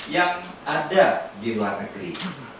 yang ada di luar negeri